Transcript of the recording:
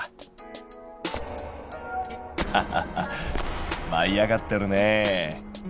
ハハハッまい上がってるねえ。